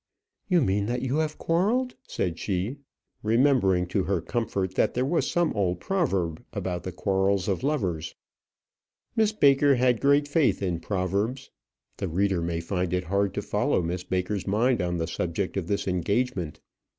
"You mean that you have quarrelled?" said she, remembering to her comfort, that there was some old proverb about the quarrels of lovers. Miss Baker had great faith in proverbs. The reader may find it hard to follow Miss Baker's mind on the subject of this engagement.